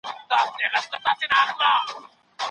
هیوادونه خپل موقفونه بې له دلیل نه نه بدلوي.